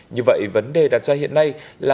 như vậy vấn đề đặt ra hiện nay là